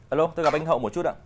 alo tôi gặp anh hậu một chút ạ